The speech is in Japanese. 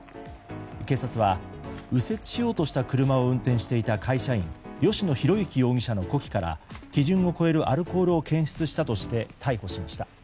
警察は右折しようとした車を運転していた会社員吉野浩之容疑者の呼気から基準を超えるアルコールを検出したとして逮捕しました。